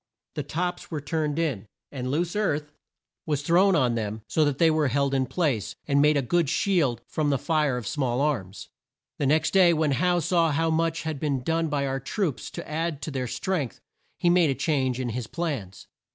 The tops were turned in, and loose earth thrown on them so that they were held in place, and made a good shield from the fire of small arms. The next day, when Howe saw how much had been done by our troops to add to their strength, he made a change in his plans.